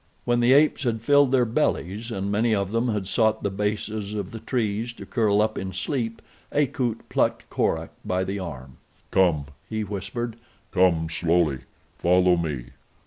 When the apes had filled their bellies and many of them had sought the bases of the trees to curl up in sleep Akut plucked Korak by the arm. "Come," he whispered. "Come slowly. Follow me.